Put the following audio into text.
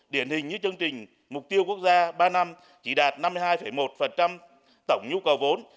điển hình như chương trình mục tiêu quốc gia ba năm chỉ đạt năm mươi hai một tổng nhu cầu vốn